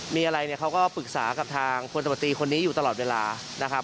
มีอะไรเนี่ยเขาก็ปรึกษากับทางพลตมตรีคนนี้อยู่ตลอดเวลานะครับ